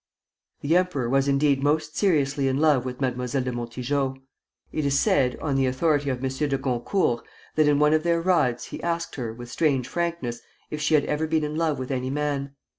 The emperor was indeed most seriously in love with Mademoiselle de Montijo. It is said, on the authority of M. de Goncourt, that in one of their rides he asked her, with strange frankness, if she had ever been in love with any man.